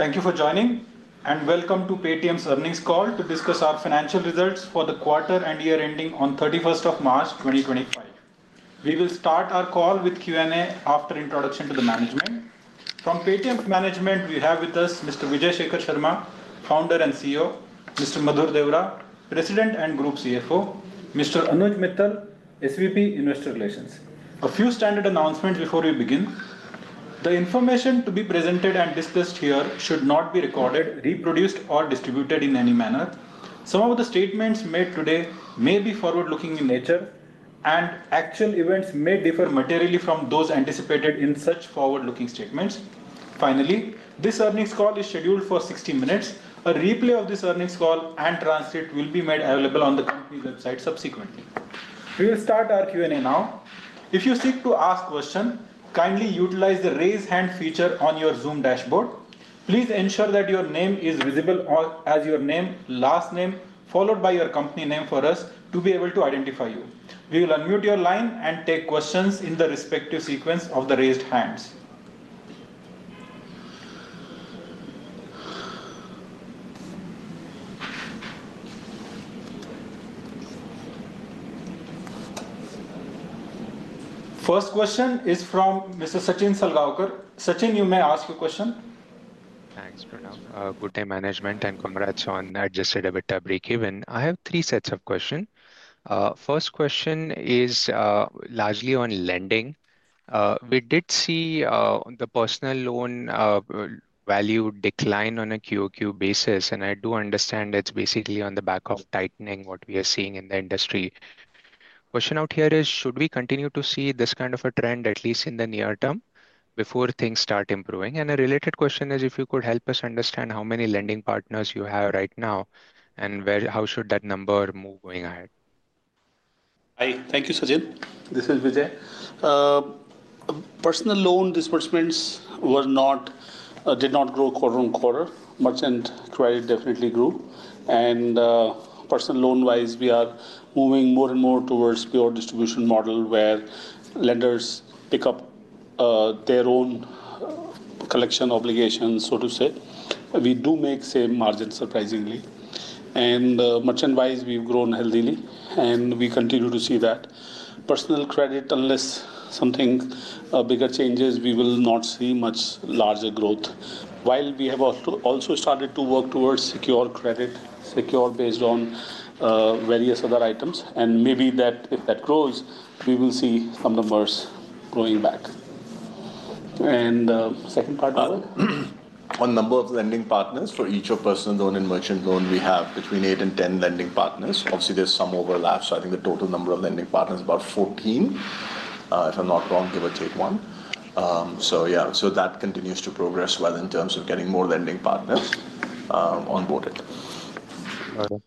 Thank you for joining, and welcome to Paytm's earnings call to discuss our financial results for the quarter and year ending on 31st of March, 2025. We will start our call with Q&A after introduction to the management. From Paytm management, we have with us Mr. Vijay Shekhar Sharma, Founder and CEO; Mr. Madhur Deora, President and Group CFO; Mr. Anuj Mittal, SVP, Investor Relations. A few standard announcements before we begin. The information to be presented and discussed here should not be recorded, reproduced, or distributed in any manner. Some of the statements made today may be forward-looking in nature, and actual events may differ materially from those anticipated in such forward-looking statements. Finally, this earnings call is scheduled for 60 minutes. A replay of this earnings call and transcript will be made available on the company website subsequently. We will start our Q&A now. If you seek to ask a question, kindly utilize the raise hand feature on your Zoom dashboard. Please ensure that your name is visible as your name, last name, followed by your company name for us to be able to identify you. We will unmute your line and take questions in the respective sequence of the raised hands. First question is from Mr. Sachin Salgaonkar. Sachin, you may ask your question. Thanks, Pranav. Good day, management, and congrats on the adjusted EBITDA breakeven. I have three sets of questions. First question is largely on lending. We did see the personal loan value decline on a QoQ basis, and I do understand it's basically on the back of tightening what we are seeing in the industry. Question out here is, should we continue to see this kind of a trend, at least in the near term, before things start improving? A related question is, if you could help us understand how many lending partners you have right now, and how should that number move going ahead? Thank you, Sachin. This is Vijay. Personal loan disbursements did not grow quarter on quarter. Merchant credit definitely grew. Personal loan-wise, we are moving more and more towards pure distribution model where lenders pick up their own collection obligations, so to say. We do make same margin, surprisingly. Merchant-wise, we have grown healthily, and we continue to see that. Personal credit, unless something bigger changes, we will not see much larger growth. We have also started to work towards secure credit, secure based on various other items, and maybe that if that grows, we will see some numbers going back. Second part, Pranav? On number of lending partners, for each of personal loan and merchant loan, we have between eight and ten lending partners. Obviously, there's some overlap, so I think the total number of lending partners is about 14. If I'm not wrong, give or take one. That continues to progress well in terms of getting more lending partners onboarded.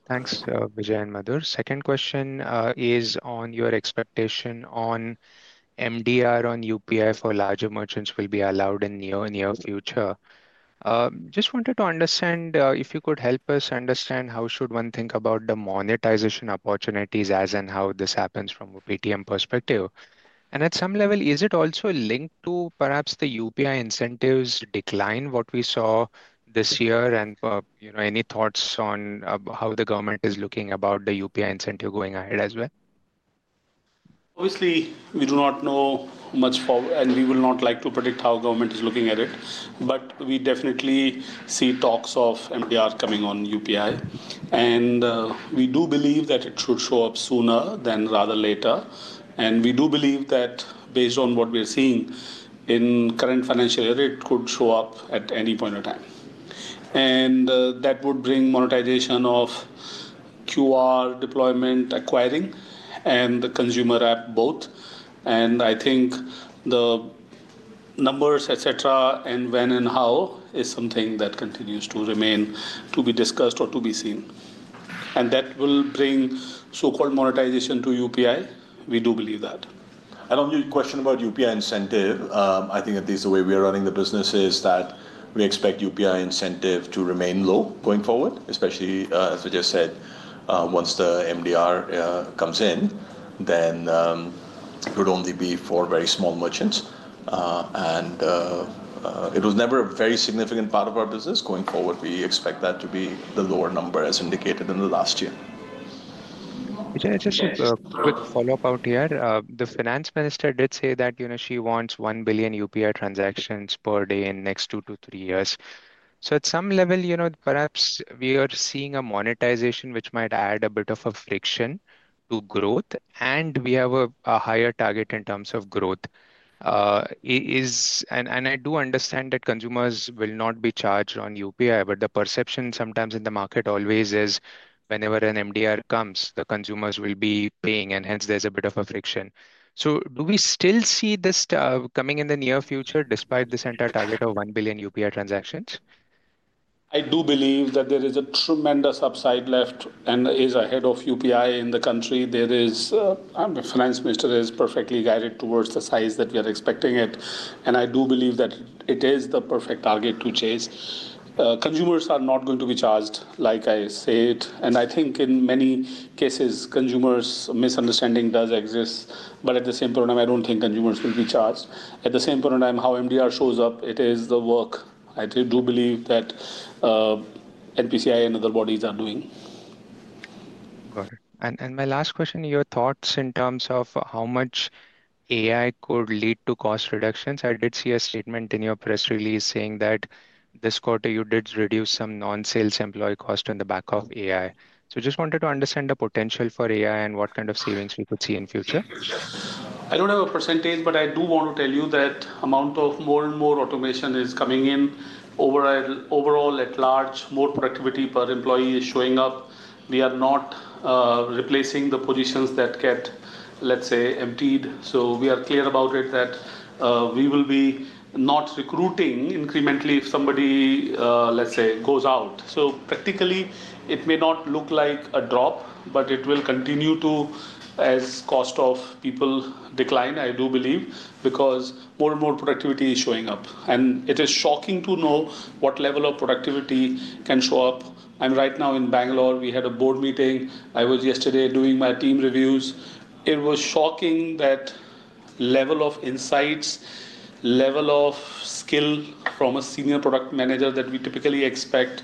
Thanks, Vijay and Madhur. Second question is on your expectation on MDR on UPI for larger merchants will be allowed in the near future. Just wanted to understand if you could help us understand how should one think about the monetization opportunities as and how this happens from a Paytm perspective. At some level, is it also linked to perhaps the UPI incentives decline, what we saw this year, and any thoughts on how the government is looking about the UPI incentive going ahead as well? Obviously, we do not know much, and we will not like to predict how government is looking at it. We definitely see talks of MDR coming on UPI. We do believe that it should show up sooner rather than later. We do believe that based on what we are seeing in the current financial year, it could show up at any point of time. That would bring monetization of QR deployment, acquiring, and the consumer app both. I think the numbers, et cetera, and when and how is something that continues to remain to be discussed or to be seen. That will bring so-called monetization to UPI. We do believe that. I don't have any question about UPI incentive. I think at least the way we are running the business is that we expect UPI incentive to remain low going forward, especially, as Vijay said, once the MDR comes in, then it would only be for very small merchants. It was never a very significant part of our business. Going forward, we expect that to be the lower number as indicated in the last year. Just a quick follow-up out here. The finance minister did say that she wants 1 billion UPI transactions per day in the next two to three years. At some level, perhaps we are seeing a monetization which might add a bit of a friction to growth, and we have a higher target in terms of growth. I do understand that consumers will not be charged on UPI, but the perception sometimes in the market always is whenever an MDR comes, the consumers will be paying, and hence there is a bit of a friction. Do we still see this coming in the near future despite this entire target of 1 billion UPI transactions? I do believe that there is a tremendous upside left and is ahead of UPI in the country. The finance minister is perfectly guided towards the size that we are expecting it. I do believe that it is the perfect target to chase. Consumers are not going to be charged like I said. I think in many cases, consumers' misunderstanding does exist. At the same point, I do not think consumers will be charged. At the same point in time, how MDR shows up, it is the work. I do believe that NPCI and other bodies are doing. Got it. My last question, your thoughts in terms of how much AI could lead to cost reductions. I did see a statement in your press release saying that this quarter you did reduce some non-sales employee cost in the back of AI. Just wanted to understand the potential for AI and what kind of savings we could see in the future. I don't have a percentage, but I do want to tell you that the amount of more and more automation is coming in. Overall, at large, more productivity per employee is showing up. We are not replacing the positions that get, let's say, emptied. We are clear about it that we will be not recruiting incrementally if somebody, let's say, goes out. Practically, it may not look like a drop, but it will continue to, as cost of people decline, I do believe, because more and more productivity is showing up. It is shocking to know what level of productivity can show up. I'm right now in Bangalore. We had a board meeting. I was yesterday doing my team reviews. It was shocking that level of insights, level of skill from a senior product manager that we typically expect.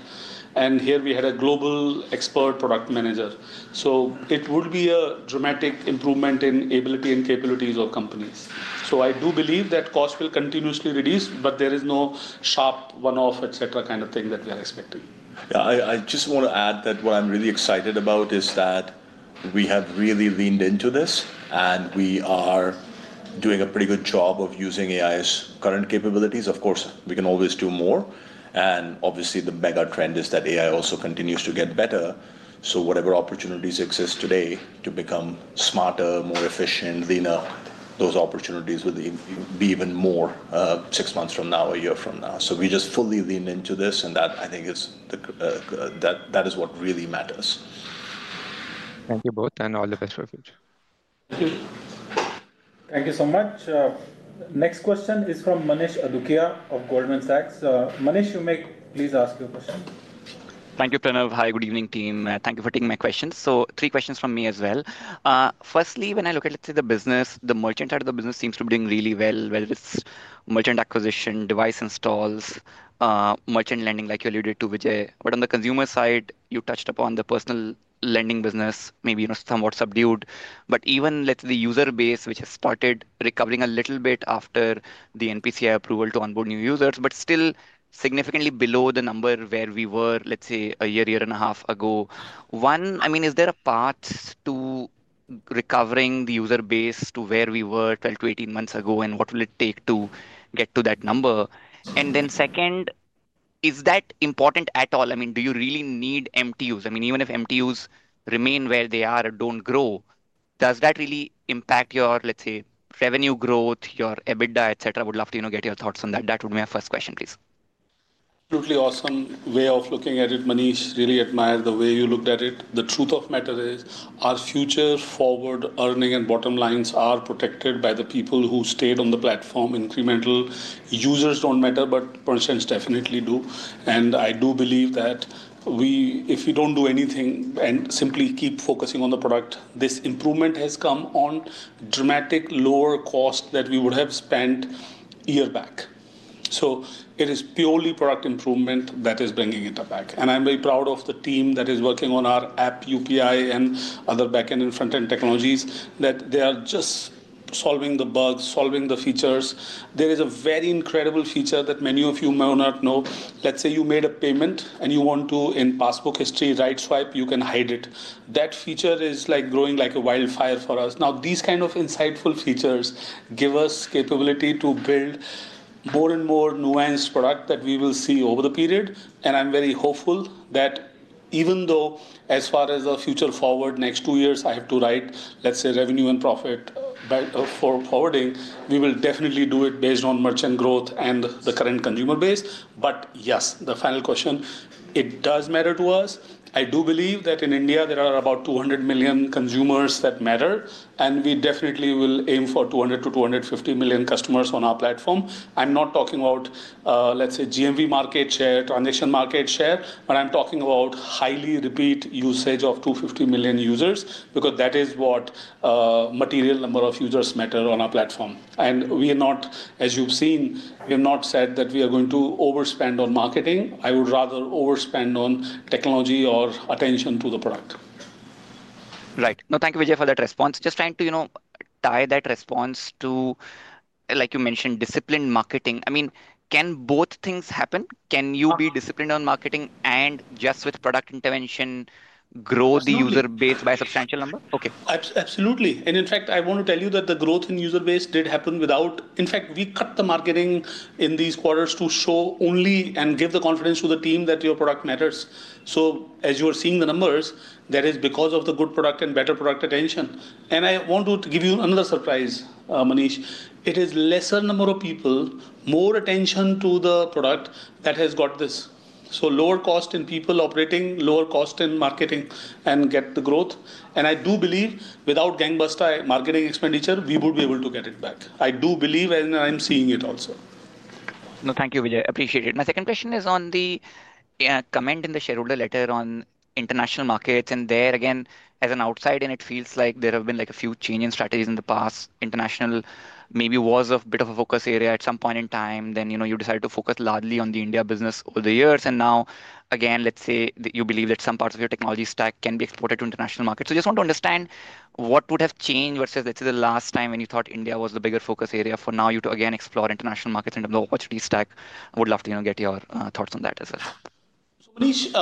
We had a global expert product manager. It would be a dramatic improvement in ability and capabilities of companies. I do believe that cost will continuously reduce, but there is no sharp one-off, et cetera, kind of thing that we are expecting. Yeah, I just want to add that what I'm really excited about is that we have really leaned into this, and we are doing a pretty good job of using AI's current capabilities. Of course, we can always do more. Obviously, the mega trend is that AI also continues to get better. Whatever opportunities exist today to become smarter, more efficient, leaner, those opportunities will be even more six months from now, a year from now. We just fully lean into this, and that I think is what really matters. Thank you both, and all the best for the future. Thank you. Thank you so much. Next question is from Manish Adukia of Goldman Sachs. Manish, you may please ask your question. Thank you, Pranav. Hi, good evening, team. Thank you for taking my questions. Three questions from me as well. Firstly, when I look at, let's say, the business, the merchant side of the business seems to be doing really well, whether it's merchant acquisition, device installs, merchant lending, like you alluded to, Vijay. On the consumer side, you touched upon the personal lending business, maybe somewhat subdued. Even, let's say, the user base, which has started recovering a little bit after the NPCI approval to onboard new users, is still significantly below the number where we were, let's say, a year, year and a half ago. One, I mean, is there a path to recovering the user base to where we were 12 to 18 months ago, and what will it take to get to that number? Second, is that important at all? I mean, do you really need MTUs? I mean, even if MTUs remain where they are and do not grow, does that really impact your, let's say, revenue growth, your EBITDA, et cetera? I would love to get your thoughts on that. That would be my first question, please. Totally awesome way of looking at it, Manish. Really admire the way you looked at it. The truth of the matter is our future forward earning and bottom lines are protected by the people who stayed on the platform. Incremental users do not matter, but merchants definitely do. I do believe that if we do not do anything and simply keep focusing on the product, this improvement has come on dramatic lower cost that we would have spent a year back. It is purely product improvement that is bringing it back. I am very proud of the team that is working on our app, UPI, and other back-end and front-end technologies, that they are just solving the bugs, solving the features. There is a very incredible feature that many of you may or may not know. Let's say you made a payment and you want to, in passbook history, right swipe, you can hide it. That feature is like growing like a wildfire for us. Now, these kind of insightful features give us capability to build more and more nuanced product that we will see over the period. I am very hopeful that even though as far as the future forward, next two years, I have to write, let's say, revenue and profit forwarding, we will definitely do it based on merchant growth and the current consumer base. Yes, the final question, it does matter to us. I do believe that in India, there are about 200 million consumers that matter, and we definitely will aim for 200-250 million customers on our platform. I'm not talking about, let's say, GMV market share, transaction market share, but I'm talking about highly repeat usage of 250 million users because that is what material number of users matter on our platform. We are not, as you've seen, we have not said that we are going to overspend on marketing. I would rather overspend on technology or attention to the product. Right. No, thank you, Vijay, for that response. Just trying to tie that response to, like you mentioned, disciplined marketing. I mean, can both things happen? Can you be disciplined on marketing and just with product intervention grow the user base by a substantial number? Absolutely. In fact, I want to tell you that the growth in user base did happen without. In fact, we cut the marketing in these quarters to show only and give the confidence to the team that your product matters. As you are seeing the numbers, that is because of the good product and better product attention. I want to give you another surprise, Manish. It is lesser number of people, more attention to the product that has got this. Lower cost in people operating, lower cost in marketing, and get the growth. I do believe without gangbuster marketing expenditure, we would be able to get it back. I do believe and I am seeing it also. No, thank you, Vijay. Appreciate it. My second question is on the comment in the shareholder letter on international markets. There again, as an outsider, it feels like there have been like a few changing strategies in the past. International maybe was a bit of a focus area at some point in time. You decided to focus largely on the India business over the years. Now, again, let's say you believe that some parts of your technology stack can be exported to international markets. I just want to understand what would have changed versus, let's say, the last time when you thought India was the bigger focus area for now you to again explore international markets and develop what you do stack. I would love to get your thoughts on that as well. Manish,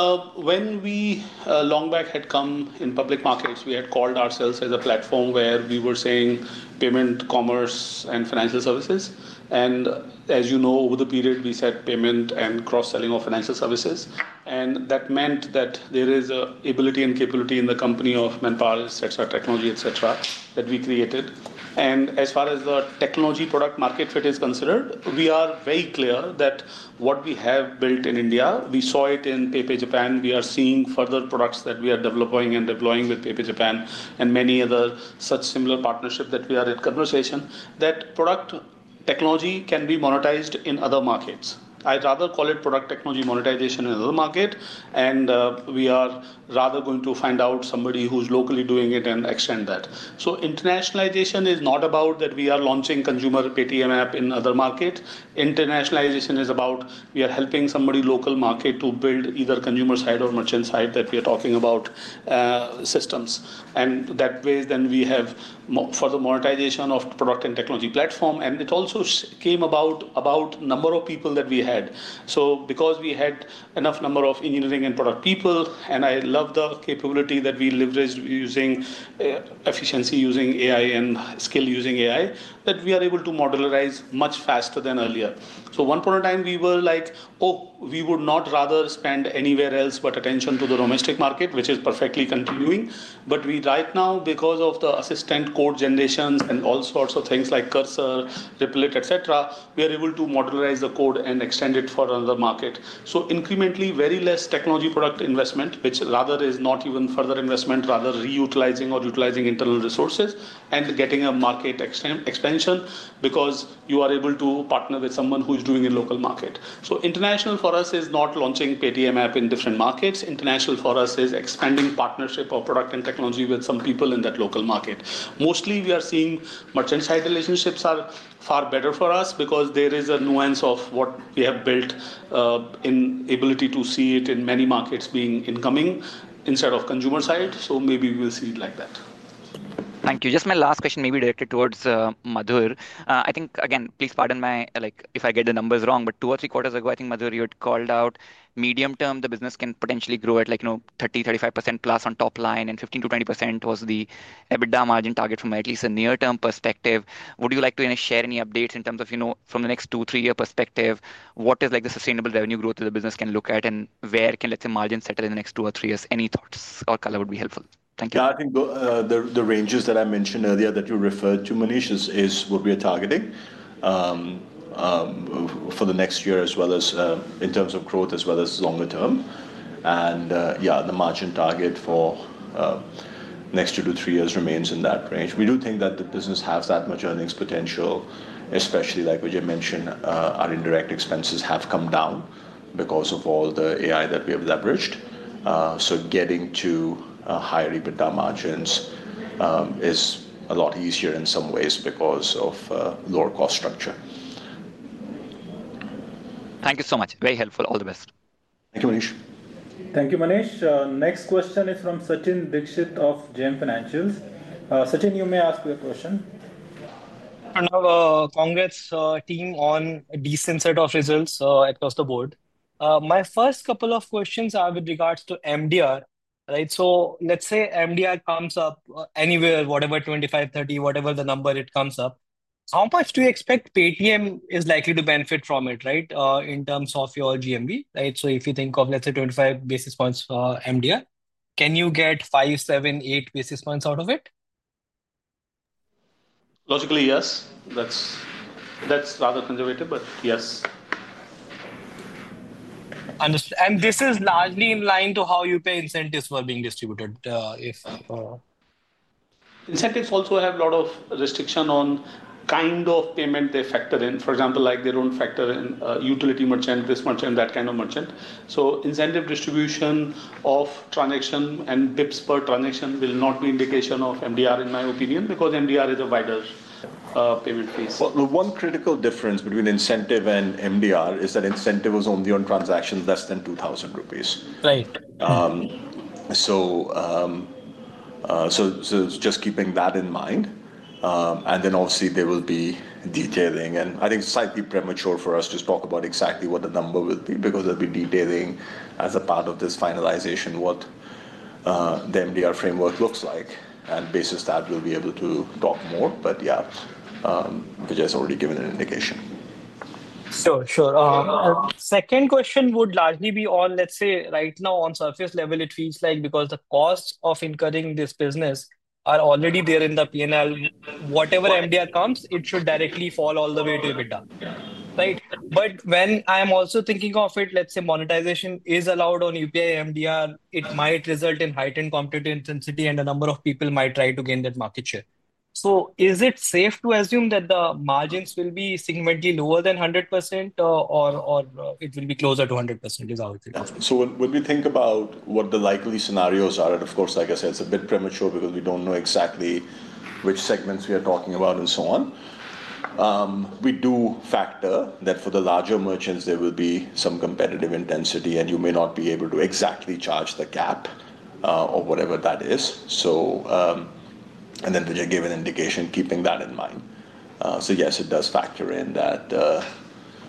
when we long back had come in public markets, we had called ourselves as a platform where we were saying payment, commerce, and financial services. As you know, over the period, we said payment and cross-selling of financial services. That meant that there is an ability and capability in the company of manpower, et cetera, technology, et cetera, that we created. As far as the technology product market fit is considered, we are very clear that what we have built in India, we saw it in PayPay Japan. We are seeing further products that we are developing and deploying with PayPay Japan and many other such similar partnerships that we are in conversation, that product technology can be monetized in other markets. I'd rather call it product technology monetization in other markets. We are rather going to find out somebody who is locally doing it and extend that. Internationalization is not about that we are launching consumer Paytm app in other markets. Internationalization is about we are helping somebody in a local market to build either consumer side or merchant side that we are talking about systems. In that way, we have further monetization of product and technology platform. It also came about the number of people that we had. Because we had enough number of engineering and product people, and I love the capability that we leveraged using efficiency, using AI, and skill using AI, we are able to modernize much faster than earlier. At one point in time, we were like, oh, we would not rather spend anywhere else but attention to the domestic market, which is perfectly continuing. Right now, because of the assistant code generations and all sorts of things like Cursor, Replit, et cetera, we are able to modernize the code and extend it for another market. Incrementally, very little technology product investment, which rather is not even further investment, rather reutilizing or utilizing internal resources and getting a market expansion because you are able to partner with someone who is doing a local market. International for us is not launching Paytm app in different markets. International for us is expanding partnership or product and technology with some people in that local market. Mostly, we are seeing merchant side relationships are far better for us because there is a nuance of what we have built in ability to see it in many markets being incoming instead of consumer side. Maybe we will see it like that. Thank you. Just my last question may be directed towards Madhur. I think, again, please pardon me if I get the numbers wrong, but two or three quarters ago, I think Madhur, you had called out medium term the business can potentially grow at 30%-35%+ on top line and 15%-20% was the EBITDA margin target from at least a near-term perspective. Would you like to share any updates in terms of from the next two, three-year perspective, what is the sustainable revenue growth that the business can look at and where can, let's say, margin settle in the next two or three years? Any thoughts or color would be helpful. Thank you. Yeah, I think the ranges that I mentioned earlier that you referred to, Manish, is what we are targeting for the next year as well as in terms of growth as well as longer term. Yeah, the margin target for the next two to three years remains in that range. We do think that the business has that much earnings potential, especially like what you mentioned, our indirect expenses have come down because of all the AI that we have leveraged. Getting to higher EBITDA margins is a lot easier in some ways because of lower cost structure. Thank you so much. Very helpful. All the best. Thank you, Manish. Thank you, Manish. Next question is from Sachin Dixit of JM Financial. Sachin, you may ask your question. Congrats, team on decent set of results across the board. My first couple of questions are with regards to MDR. Let's say MDR comes up anywhere, whatever 25, 30, whatever the number it comes up. How much do you expect Paytm is likely to benefit from it in terms of your GMV? If you think of, let's say, 25 basis points MDR, can you get five, seven, eight basis points out of it? Logically, yes. That's rather conservative, but yes. This is largely in line to how you pay incentives for being distributed. Incentives also have a lot of restriction on kind of payment they factor in. For example, they do not factor in utility merchant, this merchant, that kind of merchant. So incentive distribution of transaction and dips per transaction will not be indication of MDR in my opinion because MDR is a wider payment piece. One critical difference between incentive and MDR is that incentive is only on transactions less than 2,000 rupees. Just keeping that in mind. Obviously, there will be detailing. I think it is slightly premature for us to talk about exactly what the number will be because there will be detailing as a part of this finalization of what the MDR framework looks like. Based on that, we will be able to talk more. Vijay has already given an indication. Sure. Second question would largely be on, let's say, right now on surface level, it feels like because the cost of incurring this business are already there in the P&L, whatever MDR comes, it should directly fall all the way to EBITDA. But when I'm also thinking of it, let's say monetization is allowed on UPI MDR, it might result in heightened competitive intensity and a number of people might try to gain that market share. So is it safe to assume that the margins will be significantly lower than 100% or it will be closer to 100% is how it will be? When we think about what the likely scenarios are, and of course, like I said, it's a bit premature because we don't know exactly which segments we are talking about and so on. We do factor that for the larger merchants, there will be some competitive intensity and you may not be able to exactly charge the cap or whatever that is. Vijay gave an indication keeping that in mind. Yes, it does factor in that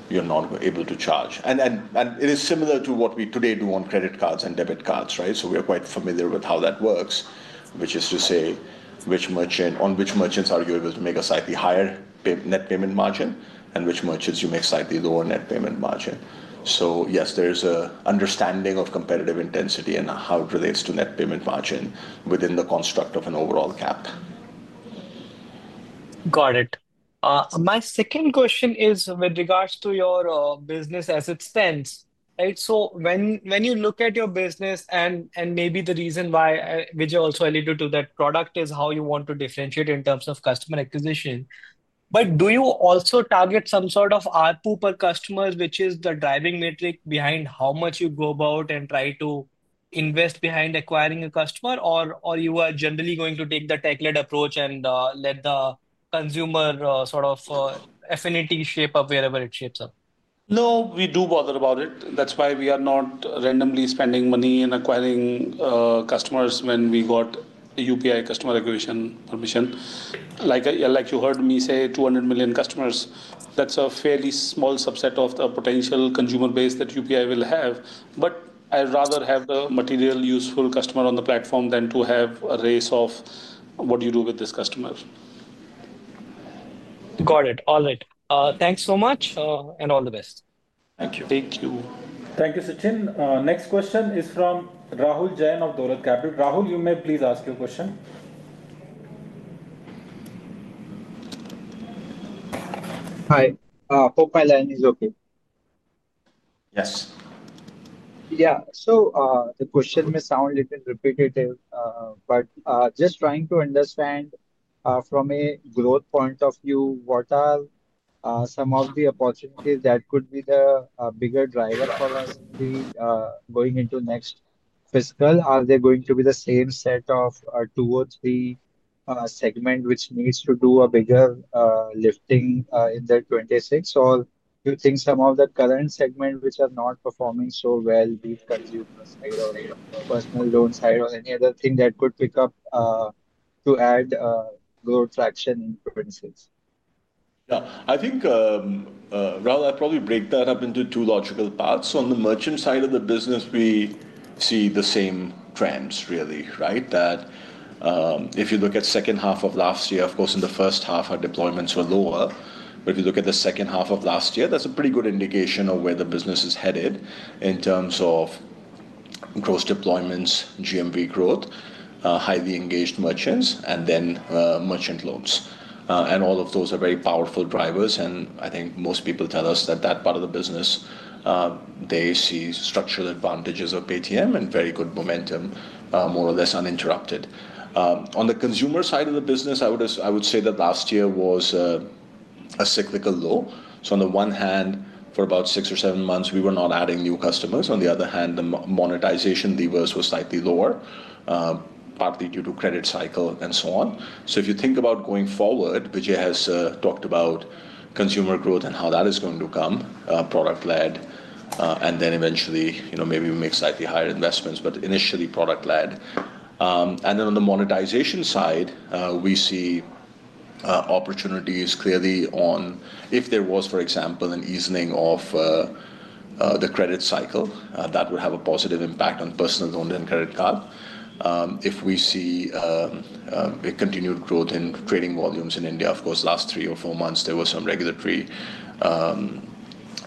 you're not able to charge. It is similar to what we today do on credit cards and debit cards. We are quite familiar with how that works, which is to say on which merchants are you able to make a slightly higher net payment margin and which merchants you make slightly lower net payment margin. Yes, there is an understanding of competitive intensity and how it relates to net payment margin within the construct of an overall cap. Got it. My second question is with regards to your business as it stands. When you look at your business and maybe the reason why Vijay also alluded to that product is how you want to differentiate in terms of customer acquisition. Do you also target some sort of output per customer, which is the driving metric behind how much you go about and try to invest behind acquiring a customer? Or are you generally going to take the tech-led approach and let the consumer sort of affinity shape up wherever it shapes up? No, we do bother about it. That's why we are not randomly spending money in acquiring customers when we got UPI customer acquisition permission. Like you heard me say, 200 million customers, that's a fairly small subset of the potential consumer base that UPI will have. I would rather have the material useful customer on the platform than to have a race of what do you do with this customer. Got it. All right. Thanks so much and all the best. Thank you. Thank you. Thank you, Sachin. Next question is from Rahul Jain of Dolat Capital. Rahul, you may please ask your question. Hi. Hope my line is okay. Yes. Yeah. The question may sound a little repetitive, but just trying to understand from a growth point of view, what are some of the opportunities that could be the bigger driver for us to be going into next fiscal? Are they going to be the same set of two or three segments which need to do a bigger lifting in 2026? Or do you think some of the current segments which are not performing so well with consumer side or personal loan side or any other thing that could pick up to add growth traction in 2026? Yeah. I think, Rahul, I'll probably break that up into two logical parts. On the merchant side of the business, we see the same trends, really. If you look at the second half of last year, of course, in the first half, our deployments were lower. If you look at the second half of last year, that's a pretty good indication of where the business is headed in terms of gross deployments, GMV growth, highly engaged merchants, and then merchant loans. All of those are very powerful drivers. I think most people tell us that that part of the business, they see structural advantages of Paytm and very good momentum more or less uninterrupted. On the consumer side of the business, I would say that last year was a cyclical low. On the one hand, for about six or seven months, we were not adding new customers. On the other hand, the monetization levers were slightly lower, partly due to credit cycle and so on. If you think about going forward, Vijay has talked about consumer growth and how that is going to come, product-led, and then eventually maybe we make slightly higher investments, but initially product-led. On the monetization side, we see opportunities clearly on if there was, for example, an easing of the credit cycle, that would have a positive impact on personal loans and credit cards. If we see continued growth in trading volumes in India, of course, last three or four months, there were some regulatory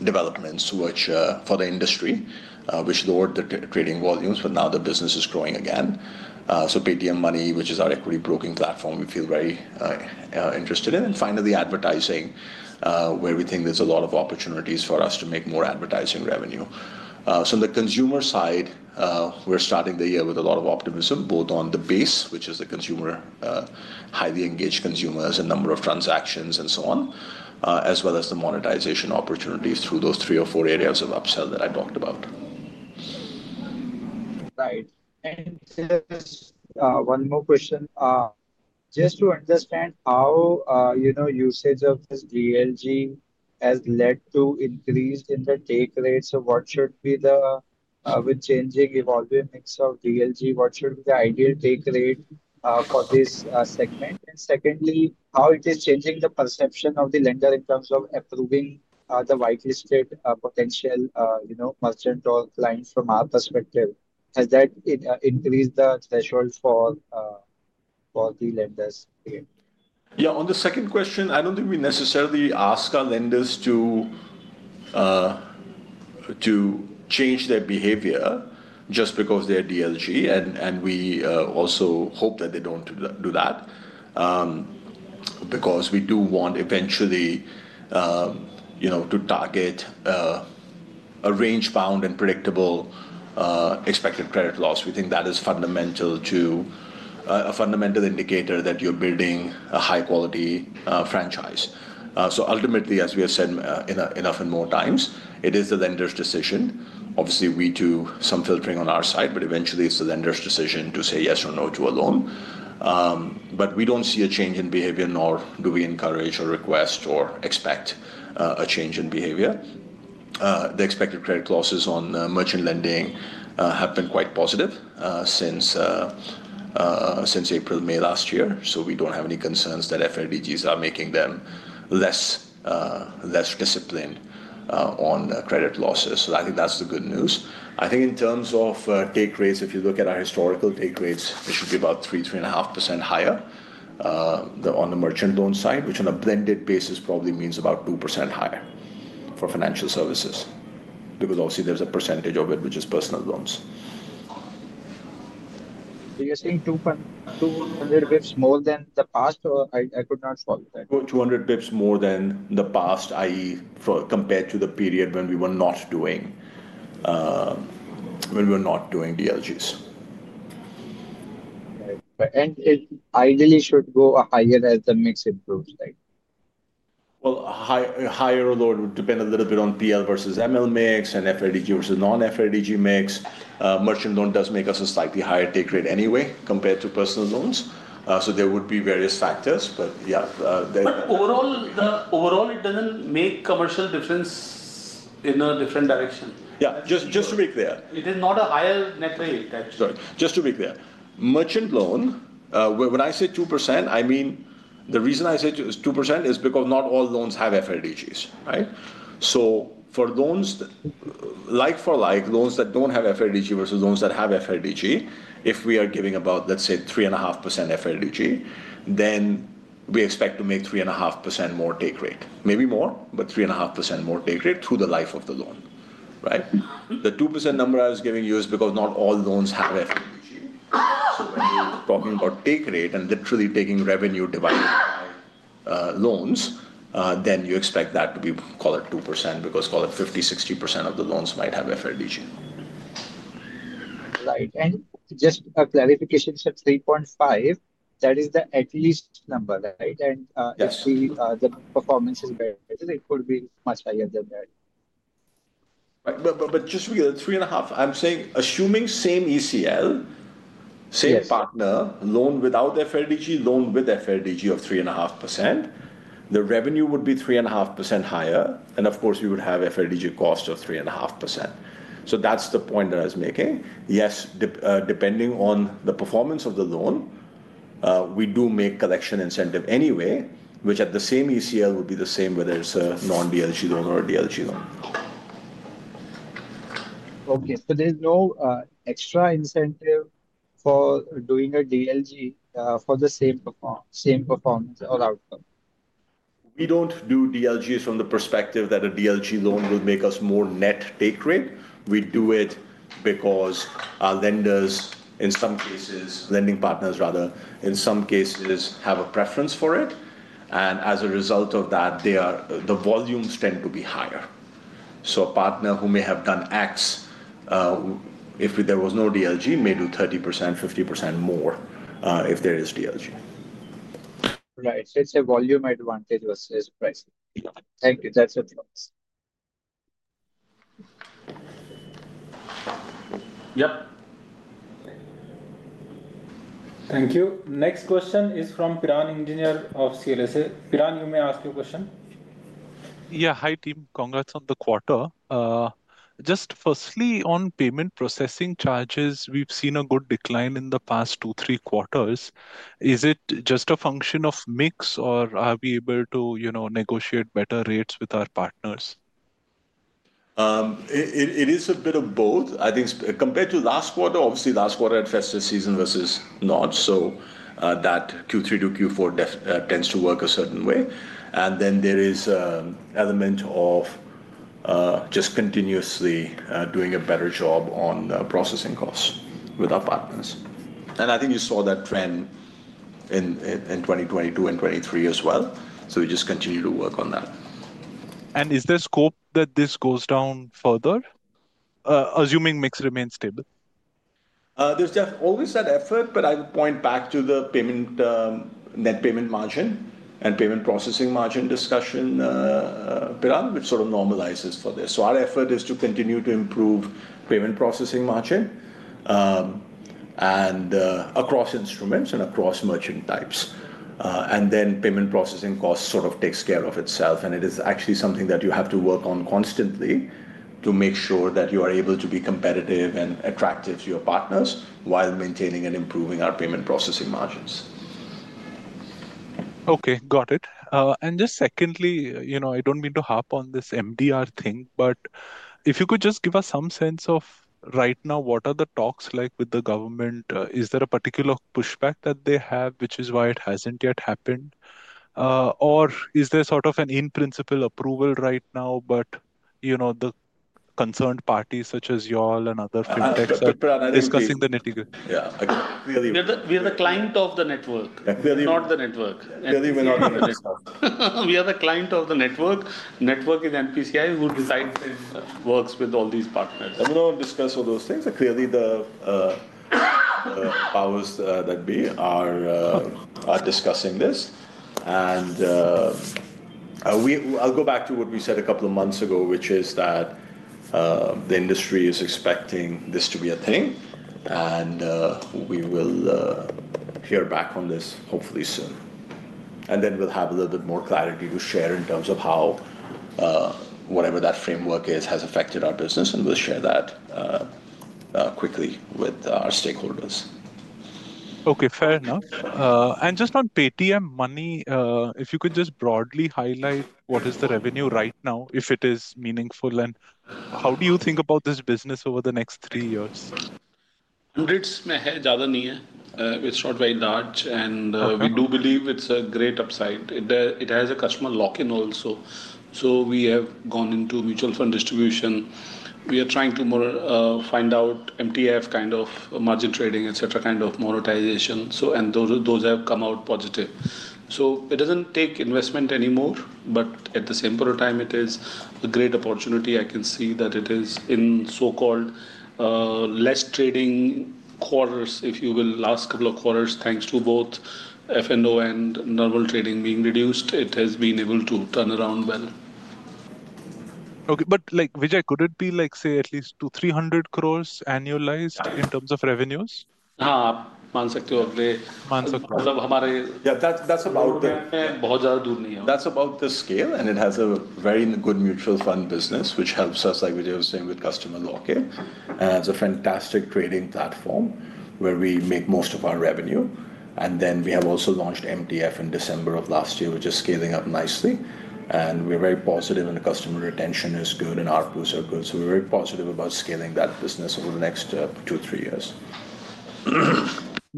developments for the industry, which lowered the trading volumes, but now the business is growing again. Paytm Money, which is our equity broking platform, we feel very interested in. Finally, advertising, where we think there's a lot of opportunities for us to make more advertising revenue. On the consumer side, we're starting the year with a lot of optimism, both on the base, which is the consumer, highly engaged consumers, a number of transactions, and so on, as well as the monetization opportunities through those three or four areas of upsell that I talked about. Right. Just one more question. Just to understand how usage of this DLG has led to increase in the take rates of what should be the changing evolving mix of DLG, what should be the ideal take rate for this segment? Secondly, how it is changing the perception of the lender in terms of approving the whitelisted potential merchant or client from our perspective? Has that increased the threshold for the lenders? Yeah. On the second question, I do not think we necessarily ask our lenders to change their behavior just because they are DLG. We also hope that they do not do that because we do want eventually to target a range-bound and predictable expected credit loss. We think that is a fundamental indicator that you are building a high-quality franchise. Ultimately, as we have said enough and more times, it is the lender's decision. Obviously, we do some filtering on our side, but eventually, it is the lender's decision to say yes or no to a loan. We do not see a change in behavior, nor do we encourage or request or expect a change in behavior. The expected credit losses on merchant lending have been quite positive since April, May last year. We do not have any concerns that FLDGs are making them less disciplined on credit losses. I think that's the good news. I think in terms of take rates, if you look at our historical take rates, they should be about 3%-3.5% higher on the merchant loan side, which on a blended basis probably means about 2% higher for financial services because obviously there's a percentage of it, which is personal loans. You're saying 200 basis points more than the past? I could not follow that. 200 basis points more than the past, i.e., compared to the period when we were not doing DLGs. It ideally should go higher as the mix improves, right? Higher or lower would depend a little bit on PL versus ML mix and FLDG versus non-FLDG mix. Merchant loan does make us a slightly higher take rate anyway compared to personal loans. There would be various factors, but yeah. Overall, it doesn't make commercial difference in a different direction. Yeah. Just to be clear. It is not a higher net rate, actually. Just to be clear, merchant loan, when I say 2%, I mean the reason I say 2% is because not all loans have FLDGs. For loans like-for-like, loans that do not have FLDG versus loans that have FLDG, if we are giving about, let's say, 3.5% FLDG, then we expect to make 3.5% more take rate. Maybe more, but 3.5% more take rate through the life of the loan. The 2% number I was giving you is because not all loans have FLDG. When you are talking about take rate and literally taking revenue divided by loans, then you expect that to be called at 2% because call it 50%-60% of the loans might have FLDG. Right. Just a clarification, you said 3.5, that is the at-least number, right? If the performance is better, it could be much higher than that. Just to be clear, 3.5, I'm saying assuming same ECL, same partner, loan without FLDG, loan with FLDG of 3.5%, the revenue would be 3.5% higher. Of course, we would have FLDG cost of 3.5%. That's the point that I was making. Yes, depending on the performance of the loan, we do make collection incentive anyway, which at the same ECL would be the same whether it's a non-DLG loan or a DLG loan. Okay. So there's no extra incentive for doing a DLG for the same performance or outcome? We do not do DLGs from the perspective that a DLG loan will make us more net take rate. We do it because our lenders, in some cases, lending partners rather, in some cases have a preference for it. As a result of that, the volumes tend to be higher. A partner who may have done X, if there was no DLG, may do 30%-50% more if there is DLG. Right. So it's a volume advantage versus price. Thank you. That's it. Yep. Thank you. Next question is from Piran Engineer of CLSA. Piran, you may ask your question. Yeah. Hi team. Congrats on the quarter. Just firstly, on payment processing charges, we've seen a good decline in the past two, three quarters. Is it just a function of mix or are we able to negotiate better rates with our partners? It is a bit of both. I think compared to last quarter, obviously last quarter had faster season versus not. That Q3 to Q4 tends to work a certain way. There is an element of just continuously doing a better job on processing costs with our partners. I think you saw that trend in 2022 and 2023 as well. We just continue to work on that. Is there scope that this goes down further, assuming mix remains stable? is always that effort, but I would point back to the net payment margin and payment processing margin discussion, Piran, which sort of normalizes for this. Our effort is to continue to improve payment processing margin across instruments and across merchant types. Payment processing costs sort of take care of itself. It is actually something that you have to work on constantly to make sure that you are able to be competitive and attractive to your partners while maintaining and improving our payment processing margins. Okay. Got it. Just secondly, I do not mean to harp on this MDR thing, but if you could just give us some sense of right now, what are the talks like with the government? Is there a particular pushback that they have, which is why it has not yet happened? Or is there sort of an in-principle approval right now, but the concerned parties such as y'all and other fintechs are discussing the net? Yeah. Clearly. We are the client of the network, not the network. Clearly, we're not the network. We are the client of the network. Network is NPCI, who works with all these partners. We do not discuss all those things. Clearly, the powers that be are discussing this. I will go back to what we said a couple of months ago, which is that the industry is expecting this to be a thing. We will hear back on this hopefully soon. We will have a little bit more clarity to share in terms of how whatever that framework is has affected our business. We will share that quickly with our stakeholders. Okay. Fair enough. Just on Paytm Money, if you could just broadly highlight what is the revenue right now, if it is meaningful, and how do you think about this business over the next three years? Hundreds may have, java niyeh. It's not very large. We do believe it's a great upside. It has a customer lock-in also. We have gone into mutual fund distribution. We are trying to find out MTF kind of margin trading, etc., kind of monetization. Those have come out positive. It does not take investment anymore, but at the same point of time, it is a great opportunity. I can see that it is in so-called less trading quarters, if you will, last couple of quarters, thanks to both F&O and normal trading being reduced, it has been able to turn around well. Okay. Vijay, could it be say at least 200-300 crores annualized in terms of revenues? Ha. Man sakte ho agre. Man sakte. That's about it. Yeah. That's about it. We are not that far away. That's about the scale. It has a very good mutual fund business, which helps us, like Vijay was saying, with customer lock-in. It is a fantastic trading platform where we make most of our revenue. We have also launched MTF in December of last year, which is scaling up nicely. We are very positive, the customer retention is good and outputs are good. We are very positive about scaling that business over the next two to three years.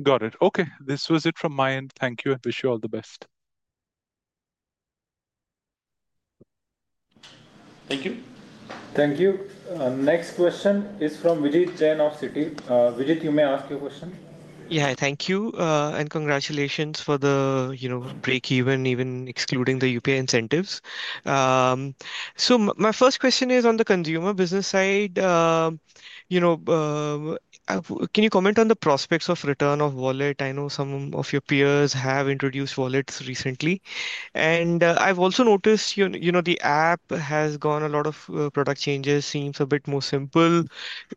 Got it. Okay. This was it from my end. Thank you. Wish you all the best. Thank you. Thank you. Next question is from Vijit Jain of Citi. Vijit, you may ask your question. Yeah. Thank you. Congratulations for the break-even, even excluding the UPI incentives. My first question is on the consumer business side. Can you comment on the prospects of return of wallet? I know some of your peers have introduced wallets recently. I have also noticed the app has gone through a lot of product changes, seems a bit more simple,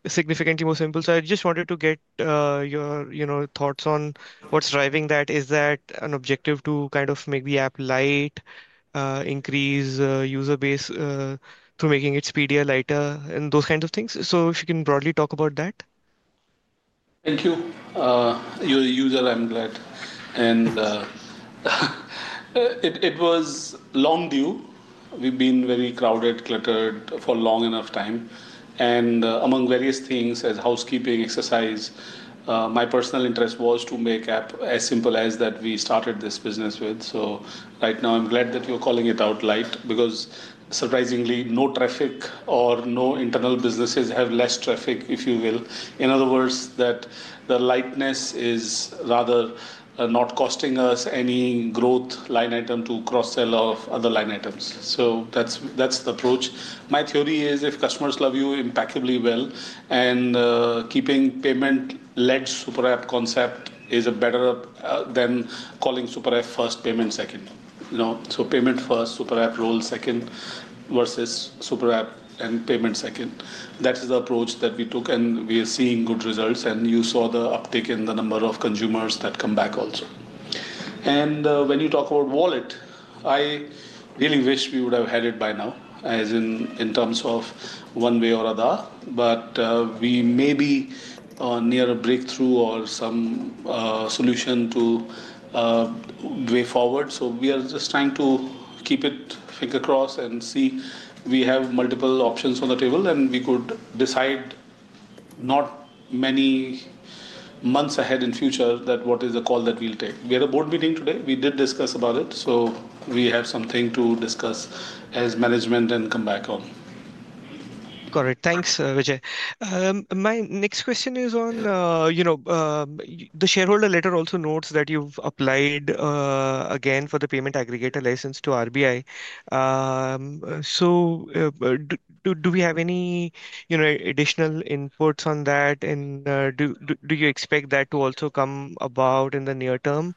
significantly more simple. I just wanted to get your thoughts on what's driving that. Is that an objective to kind of make the app light, increase user base through making it speedier, lighter, and those kinds of things? If you can broadly talk about that. Thank you. You're a user. I'm glad. It was long due. We've been very crowded, cluttered for long enough time. Among various things, as housekeeping exercise, my personal interest was to make app as simple as that we started this business with. Right now, I'm glad that you're calling it out light because surprisingly, no traffic or no internal businesses have less traffic, if you will. In other words, the lightness is rather not costing us any growth line item to cross-sell off other line items. That's the approach. My theory is if customers love you impeccably well, and keeping payment-led super app concept is better than calling super app first, payment second. Payment first, super app roll second versus super app and payment second. That is the approach that we took. We are seeing good results. You saw the uptick in the number of consumers that come back also. When you talk about wallet, I really wish we would have had it by now, as in terms of one way or other. We may be near a breakthrough or some solution to way forward. We are just trying to keep it finger crossed and see. We have multiple options on the table, and we could decide not many months ahead in future what is the call that we'll take. We had a board meeting today. We did discuss about it. We have something to discuss as management and come back on. Got it. Thanks, Vijay. My next question is on the shareholder letter also notes that you've applied again for the payment aggregator license to RBI. Do we have any additional inputs on that? Do you expect that to also come about in the near term?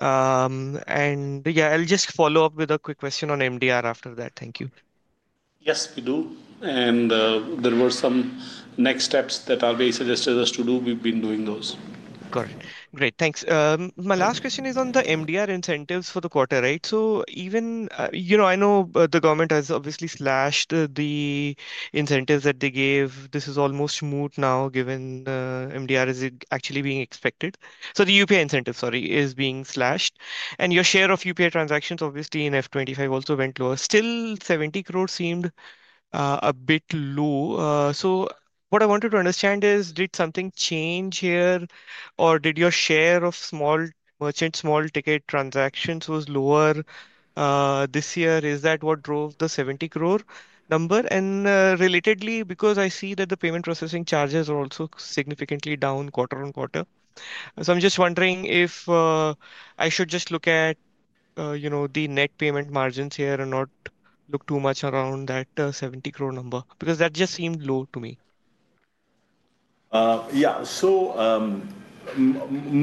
Yeah, I'll just follow up with a quick question on MDR after that. Thank you. Yes, we do. There were some next steps that RBI suggested us to do. We've been doing those. Got it. Great. Thanks. My last question is on the MDR incentives for the quarter, right? I know the government has obviously slashed the incentives that they gave. This is almost moot now given MDR is actually being expected. The UPI incentive, sorry, is being slashed. Your share of UPI transactions, obviously, in 2025 also went lower. Still, 70 crores seemed a bit low. What I wanted to understand is, did something change here? Or did your share of small merchant, small ticket transactions was lower this year? Is that what drove the 70 crores number? Relatedly, because I see that the payment processing charges are also significantly down quarter on quarter, I'm just wondering if I should just look at the net payment margins here and not look too much around that 70 crore number because that just seemed low to me. Yeah.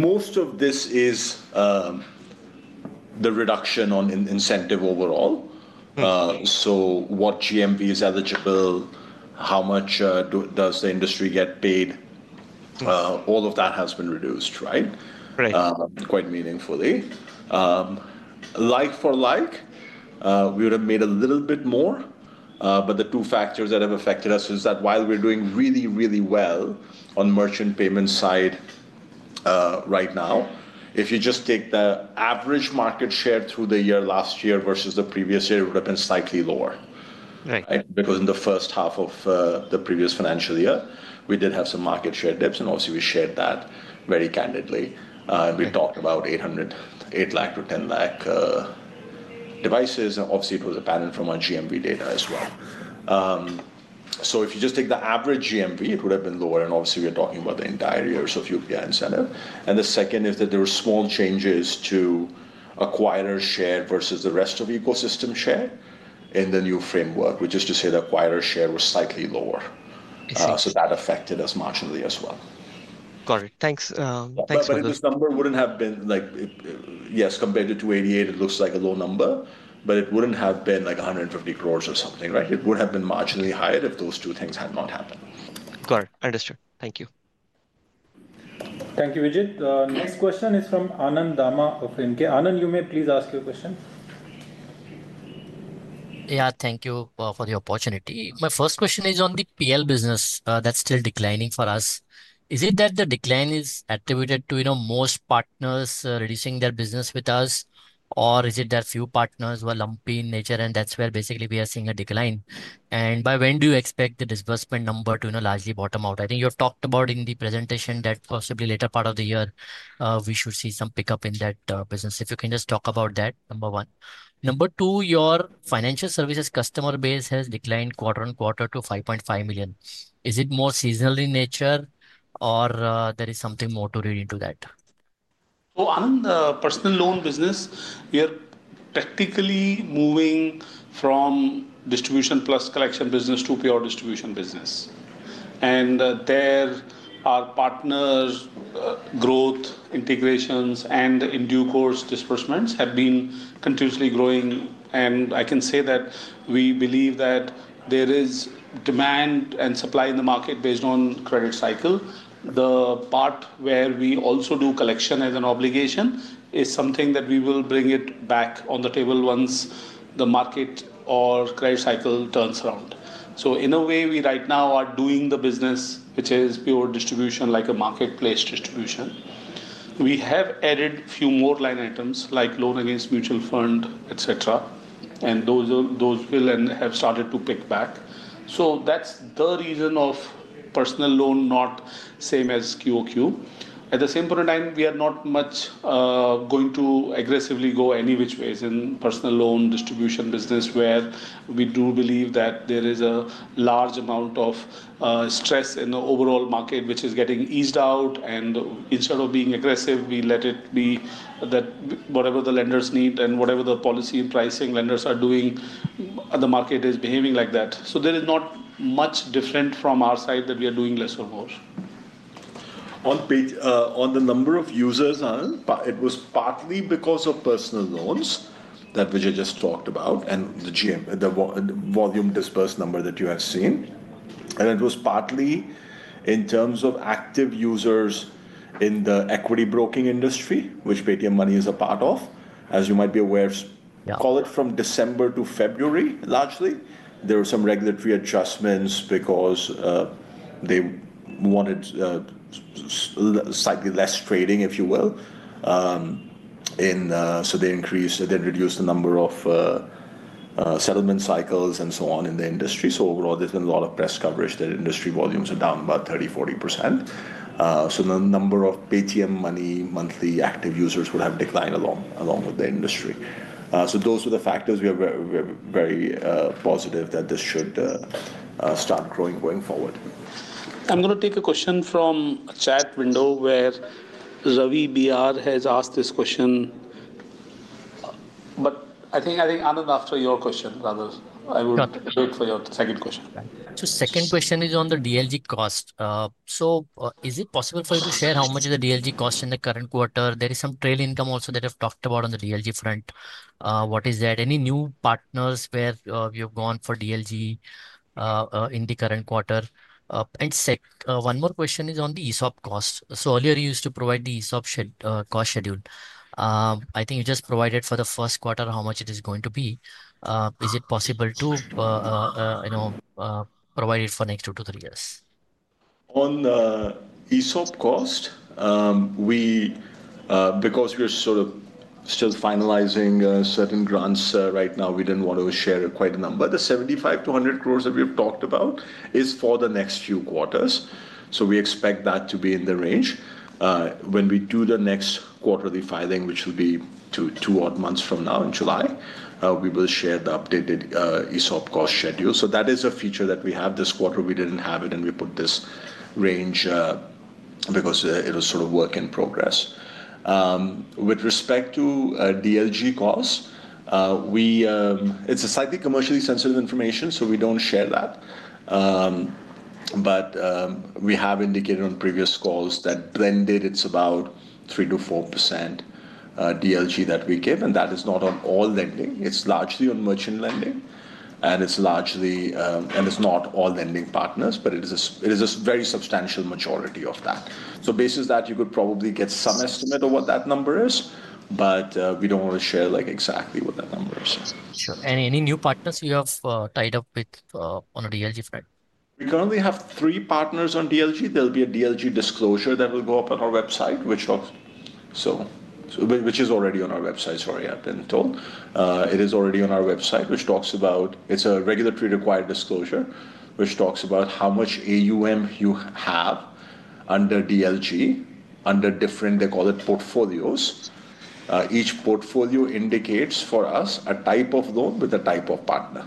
Most of this is the reduction on incentive overall. What GMV is eligible, how much does the industry get paid, all of that has been reduced, right? Right. Quite meaningfully. Like for like, we would have made a little bit more. The two factors that have affected us is that while we're doing really, really well on merchant payment side right now, if you just take the average market share through the year last year versus the previous year, it would have been slightly lower. Right. Because in the first half of the previous financial year, we did have some market share dips. Obviously, we shared that very candidly. We talked about 8 lakh to 10 lakh devices. Obviously, it was apparent from our GMV data as well. If you just take the average GMV, it would have been lower. Obviously, we are talking about the entire year's UPI incentive. The second is that there were small changes to acquirer share versus the rest of ecosystem share in the new framework, which is to say the acquirer share was slightly lower. That affected us marginally as well. Got it. Thanks. This number would not have been, yes, compared to 288 crores, it looks like a low number, but it would not have been like 150 crores or something, right? It would have been marginally higher if those two things had not happened. Got it. Understood. Thank you. Thank you, Vijay. Next question is from Anand Dama of Emkay. Anand, you may please ask your question. Yeah. Thank you for the opportunity. My first question is on the PL business. That is still declining for us. Is it that the decline is attributed to most partners reducing their business with us, or is it that few partners were lumpy in nature? That is where basically we are seeing a decline. By when do you expect the disbursement number to largely bottom out? I think you talked about in the presentation that possibly later part of the year, we should see some pickup in that business. If you can just talk about that, number one. Number two, your financial services customer base has declined quarter on quarter to 5.5 million. Is it more seasonal in nature, or is there something more to read into that? On the personal loan business, we are technically moving from distribution plus collection business to pure distribution business. There are partners, growth integrations, and in due course disbursements have been continuously growing. I can say that we believe that there is demand and supply in the market based on credit cycle. The part where we also do collection as an obligation is something that we will bring back on the table once the market or credit cycle turns around. In a way, we right now are doing the business, which is pure distribution, like a marketplace distribution. We have added a few more line items, like loan against mutual fund, etc. Those will have started to pick back. That is the reason of personal loan not same as QoQ. At the same point of time, we are not much going to aggressively go any which ways in personal loan distribution business, where we do believe that there is a large amount of stress in the overall market, which is getting eased out. Instead of being aggressive, we let it be that whatever the lenders need and whatever the policy and pricing lenders are doing, the market is behaving like that. There is not much different from our side that we are doing less or more. On the number of users, it was partly because of personal loans that Vijay just talked about and the volume disbursed number that you have seen. It was partly in terms of active users in the equity broking industry, which Paytm Money is a part of. As you might be aware, call it from December to February, largely. There were some regulatory adjustments because they wanted slightly less trading, if you will. They increased, then reduced the number of settlement cycles and so on in the industry. Overall, there has been a lot of press coverage that industry volumes are down about 30%-40%. The number of Paytm Money monthly active users would have declined along with the industry. Those were the factors. We are very positive that this should start growing going forward. I'm going to take a question from chat window where Ravi BR has asked this question. I think, Anand, after your question, rather, I would wait for your second question. Second question is on the DLG cost. Is it possible for you to share how much is the DLG cost in the current quarter? There is some trail income also that I've talked about on the DLG front. What is that? Any new partners where you've gone for DLG in the current quarter? One more question is on the ESOP cost. Earlier, you used to provide the ESOP cost schedule. I think you just provided for the first quarter how much it is going to be. Is it possible to provide it for the next two to three years? On the ESOP cost, because we're sort of still finalizing certain grants right now, we didn't want to share quite a number. The 75-100 crores that we have talked about is for the next few quarters. We expect that to be in the range. When we do the next quarterly filing, which will be two odd months from now in July, we will share the updated ESOP cost schedule. That is a feature that we have this quarter. We didn't have it, and we put this range because it was sort of work in progress. With respect to DLG cost, it's a slightly commercially sensitive information, so we don't share that. We have indicated on previous calls that blended, it's about 3%-4% DLG that we give. That is not on all lending. It's largely on merchant lending. It is not all lending partners, but it is a very substantial majority of that. Based on that, you could probably get some estimate of what that number is, but we do not want to share exactly what that number is. Sure. Any new partners you have tied up with on a DLG front? We currently have three partners on DLG. There'll be a DLG disclosure that will go up on our website, which talks, so which is already on our website, sorry, I've been told. It is already on our website, which talks about, it's a regulatory required disclosure, which talks about how much AUM you have under DLG under different, they call it portfolios. Each portfolio indicates for us a type of loan with a type of partner.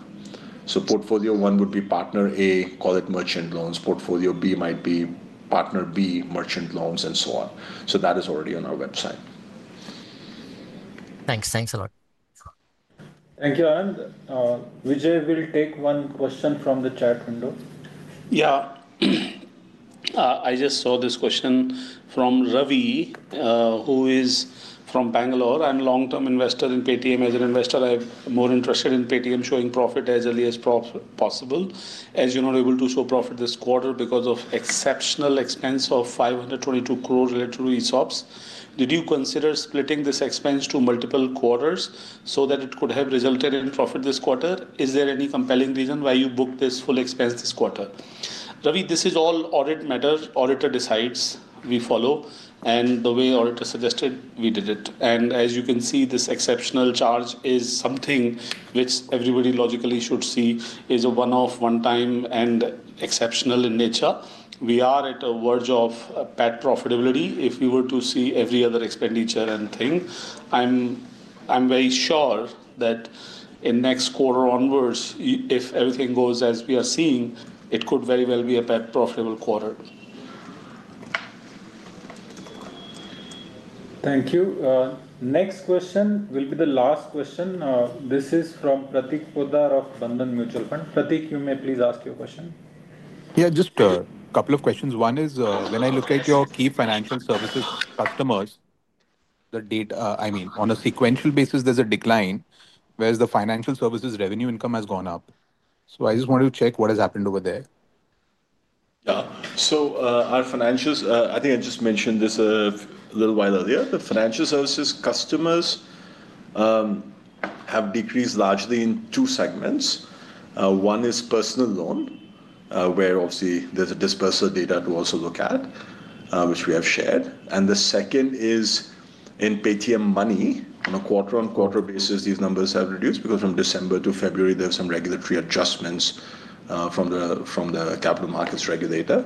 Portfolio one would be partner A, call it merchant loans. Portfolio B might be partner B, merchant loans, and so on. That is already on our website. Thanks. Thanks a lot. Thank you, Anand. Vijay will take one question from the chat window. Yeah. I just saw this question from Ravi, who is from Bangalore and a long-term investor in Paytm as an investor. I'm more interested in Paytm showing profit as early as possible. As you're not able to show profit this quarter because of exceptional expense of 522 crores related to ESOPs, did you consider splitting this expense to multiple quarters so that it could have resulted in profit this quarter? Is there any compelling reason why you booked this full expense this quarter? Ravi, this is all audit matter. Auditor decides. We follow. The way auditor suggested, we did it. As you can see, this exceptional charge is something which everybody logically should see is a one-off, one-time and exceptional in nature. We are at a verge of pet profitability. If we were to see every other expenditure and thing, I'm very sure that in next quarter onwards, if everything goes as we are seeing, it could very well be a PAT profitable quarter. Thank you. Next question will be the last question. This is from Prateek Poddar of Bandhan Mutual Fund. Prateek, you may please ask your question. Yeah, just a couple of questions. One is when I look at your key financial services customers, the data, I mean, on a sequential basis, there's a decline, whereas the financial services revenue income has gone up. I just wanted to check what has happened over there. Yeah. Our financials, I think I just mentioned this a little while earlier. The financial services customers have decreased largely in two segments. One is personal loan, where obviously there is a disburser data to also look at, which we have shared. The second is in Paytm Money, on a quarter-on-quarter basis, these numbers have reduced because from December to February, there were some regulatory adjustments from the capital markets regulator,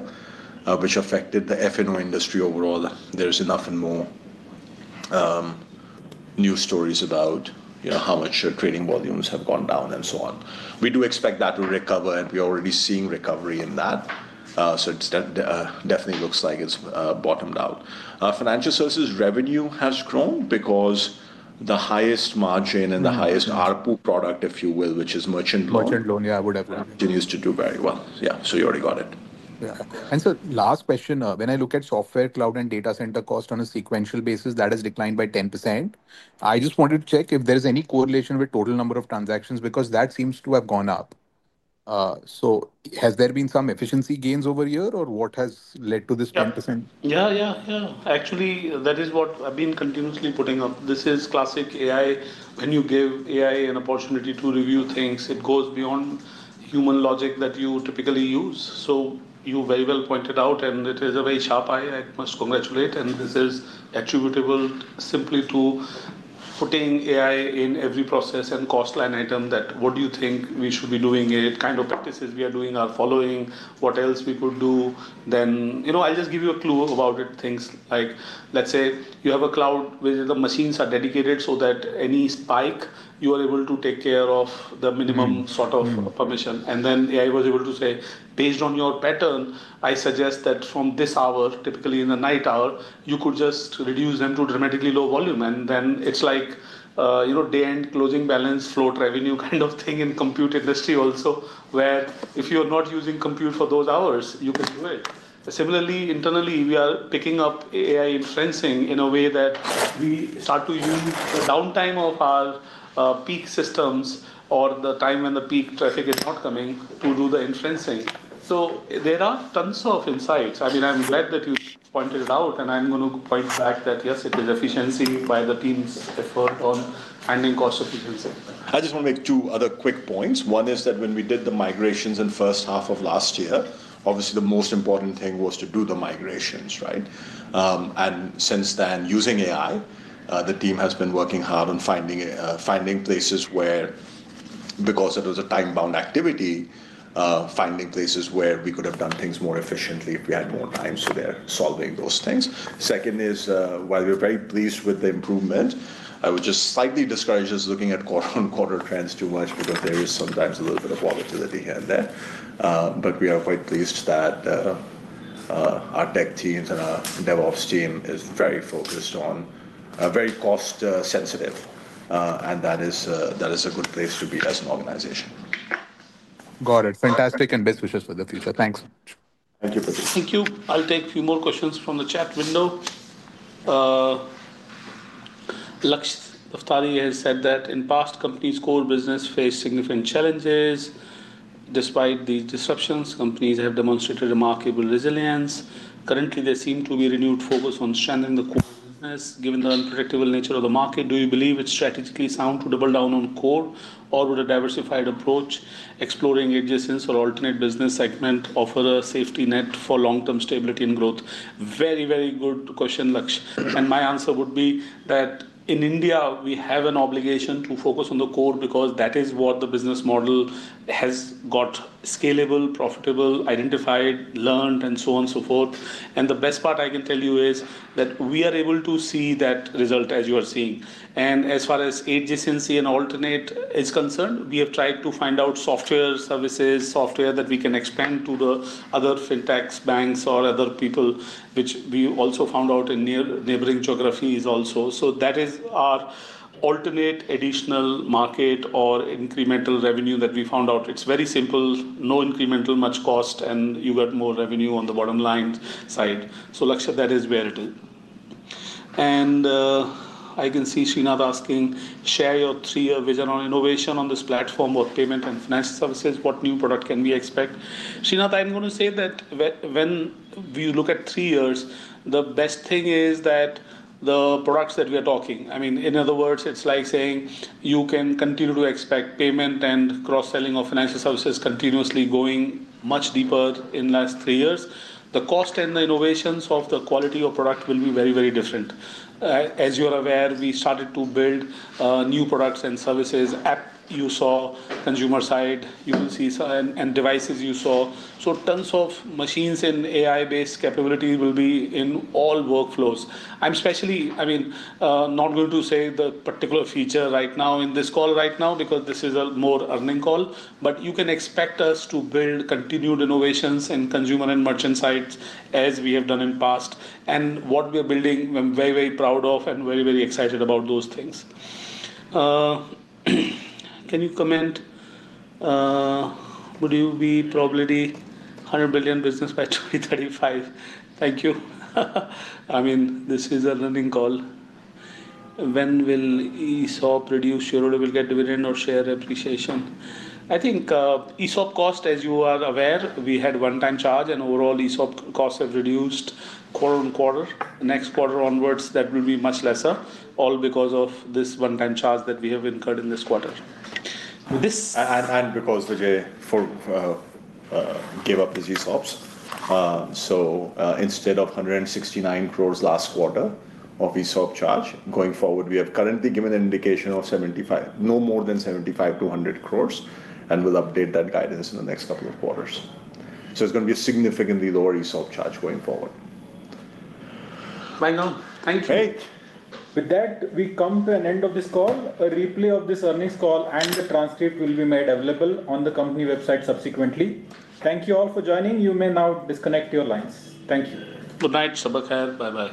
which affected the F&O industry overall. There is enough and more news stories about how much trading volumes have gone down and so on. We do expect that to recover, and we are already seeing recovery in that. It definitely looks like it has bottomed out. Financial services revenue has grown because the highest margin and the highest ARPU product, if you will, which is merchant loan. Merchant loan, yeah, I would have like. Continues to do very well. Yeah. You already got it. Yeah. Last question, when I look at software cloud and data center cost on a sequential basis, that has declined by 10%. I just wanted to check if there's any correlation with total number of transactions because that seems to have gone up. Has there been some efficiency gains over a year, or what has led to this 10%? Yeah, yeah. Actually, that is what I've been continuously putting up. This is classic AI. When you give AI an opportunity to review things, it goes beyond human logic that you typically use. You very well pointed out, and it is a very sharp eye. I must congratulate. This is attributable simply to putting AI in every process and cost line item, that what do you think we should be doing, kind of practices we are doing, are following, what else we could do. I'll just give you a clue about it, things like, let's say you have a cloud where the machines are dedicated so that any spike, you are able to take care of the minimum sort of permission. AI was able to say, based on your pattern, I suggest that from this hour, typically in the night hour, you could just reduce them to dramatically low volume. It is like day-end closing balance, float revenue kind of thing in compute industry also, where if you're not using compute for those hours, you can do it. Similarly, internally, we are picking up AI inferencing in a way that we start to use the downtime of our peak systems or the time when the peak traffic is not coming to do the inferencing. There are tons of insights. I mean, I'm glad that you pointed it out, and I'm going to point back that yes, it is efficiency by the team's effort on finding cost efficiency. I just want to make two other quick points. One is that when we did the migrations in the first half of last year, obviously the most important thing was to do the migrations, right? Since then, using AI, the team has been working hard on finding places where, because it was a time-bound activity, finding places where we could have done things more efficiently if we had more time. They are solving those things. Second is, while we are very pleased with the improvement, I would just slightly discourage us looking at quarter-on-quarter trends too much because there is sometimes a little bit of volatility here and there. We are quite pleased that our tech teams and our DevOps team is very focused on very cost-sensitive. That is a good place to be as an organization. Got it. Fantastic and best wishes for the future. Thanks. Thank you. Thank you. I'll take a few more questions from the chat window. Laksh Tavtari has said that in the past, companies' core business faced significant challenges. Despite these disruptions, companies have demonstrated remarkable resilience. Currently, there seems to be renewed focus on strengthening the core business. Given the unpredictable nature of the market, do you believe it's strategically sound to double down on core, or would a diversified approach, exploring adjacents or alternate business segment, offer a safety net for long-term stability and growth? Very, very good question, Laksh. My answer would be that in India, we have an obligation to focus on the core because that is what the business model has got scalable, profitable, identified, learned, and so on and so forth. The best part I can tell you is that we are able to see that result as you are seeing. As far as adjacency and alternate is concerned, we have tried to find out software services, software that we can expand to the other fintechs, banks, or other people, which we also found out in neighboring geographies also. That is our alternate additional market or incremental revenue that we found out. It's very simple, no incremental, much cost, and you got more revenue on the bottom line side. Laksh, that is where it is. I can see Srinath asking, share your three-year vision on innovation on this platform of payment and financial services. What new product can we expect? Srinath, I'm going to say that when we look at three years, the best thing is that the products that we are talking, I mean, in other words, it's like saying you can continue to expect payment and cross-selling of financial services continuously going much deeper in the last three years. The cost and the innovations of the quality of product will be very, very different. As you are aware, we started to build new products and services, app you saw, consumer side, you will see and devices you saw. Tons of machines and AI-based capability will be in all workflows. I'm especially, I mean, not going to say the particular feature right now in this call right now because this is a more earning call, but you can expect us to build continued innovations in consumer and merchant sites as we have done in the past. What we are building, I'm very, very proud of and very, very excited about those things. Can you comment? Would you be probably $100 billion business by 2035? Thank you. I mean, this is a learning call. When will ESOP reduce shareholder will get dividend or share appreciation? I think ESOP cost, as you are aware, we had one-time charge, and overall ESOP costs have reduced quarter-on-quarter. Next quarter onwards, that will be much lesser, all because of this one-time charge that we have incurred in this quarter. I'll propose Vijay gave up his ESOPs. Instead of 169 crores last quarter of ESOP charge, going forward, we have currently given an indication of 75 no more than 75-100 crores, and we'll update that guidance in the next couple of quarters. It is going to be a significantly lower ESOP charge going forward. Thank you. Hey. With that, we come to an end of this call. A replay of this earnings call and the transcript will be made available on the company website subsequently. Thank you all for joining. You may now disconnect your lines. Thank you. Good night. Shabba khair. Bye-bye.